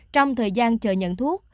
trong thời gian chờ nhận thuốc